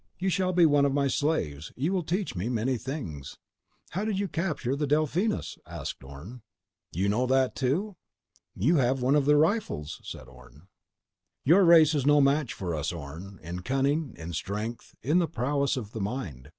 "You shall be one of my slaves. You will teach me many things." "How did you capture the Delphinus?" asked Orne. "You know that, too?" "You have one of their rifles," said Orne. "Your race is no match for us, Orne ... in cunning, in strength, in the prowess of the mind.